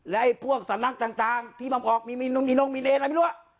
และพวกสำนักต่างที่มันออกมีนงมีเลนอะไรไม่รู้